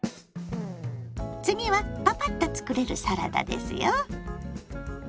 次はパパッと作れるサラダですよ。